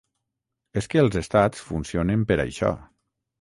És que els estats funcionen per això.